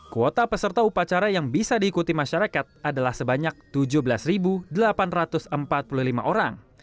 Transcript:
kuota peserta upacara yang bisa diikuti masyarakat adalah sebanyak tujuh belas delapan ratus empat puluh lima orang